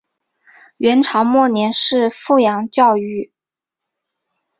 元朝末年是富阳教谕。